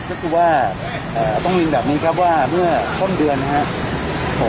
ก็คือว่าต้องเรียนแบบนี้ครับว่าเมื่อต้นเดือนนะครับ